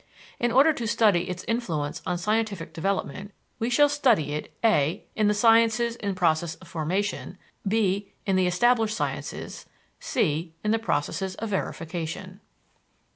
In order to study its influence on scientific development, we shall study it (a) in the sciences in process of formation; (b) in the established sciences; (c) in the processes of verification.